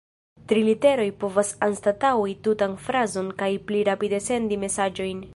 Tri literoj povas anstataŭi tutan frazon kaj pli rapide sendi mesaĝojn.